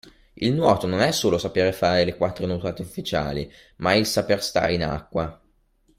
Il nuoto non è solo sapere fare le quattro nuotate ufficiali, ma è il saper stare in acqua.